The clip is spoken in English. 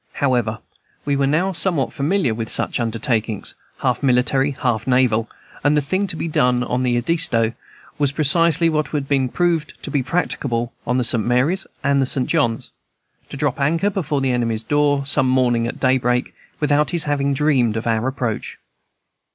However, we were now somewhat familiar with such undertakings, half military, half naval, and the thing to be done on the Edisto was precisely what we had proved to be practicable on the St. Mary's and the St. John's, to drop anchor before the enemy's door some morning at daybreak, without his having dreamed of our approach.